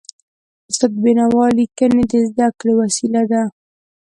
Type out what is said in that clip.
استاد د بينوا ليکني د زده کړي وسیله ده.